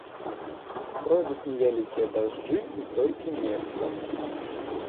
Пройдуць невялікія дажджы і толькі месцамі.